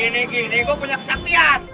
gini gini gua punya kesaktian